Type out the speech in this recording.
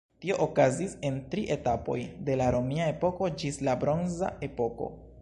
Tio okazis en tri etapoj de la romia epoko ĝis la bronza epoko.